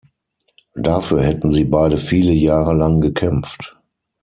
Dafür hätten sie beide viele Jahre lang gekämpft.